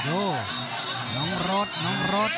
ดูน้องโรสน้องโรส